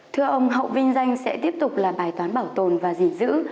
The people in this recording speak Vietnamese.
thưa ông hậu vinh danh sẽ tiếp tục là bài toán bảo tồn và gìn giữ